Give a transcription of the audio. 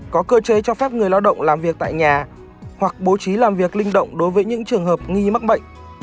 có cơ chế cho phép người lao động làm việc tại nhà hoặc bố trí làm việc linh động đối với những trường hợp nghi mắc bệnh